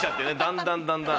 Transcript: だんだんだんだん。